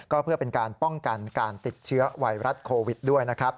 ก็เพื่อเป็นการป้องกันการติดเชื้อไวรัสโควิดด้วยนะครับ